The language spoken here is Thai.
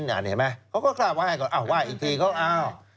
เขาก็คลาบไหว้ก่อนอ้าวไหว้อีกทีเขา